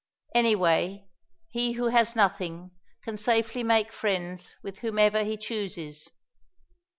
Anyway he who has nothing can safely make friends with whomever he chooses.